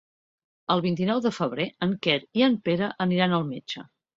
El vint-i-nou de febrer en Quer i en Pere aniran al metge.